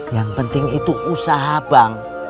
yang penting itu usaha bank